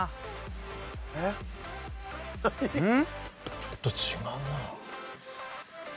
ちょっと違うな。